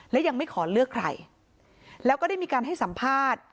และยังไม่ขอเลือกใครแล้วก็ได้มีการให้สัมภาษณ์